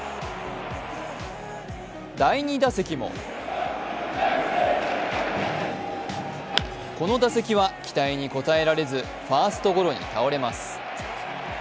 第２打席もこの打席は期待に応えられずファーストゴロに倒れます。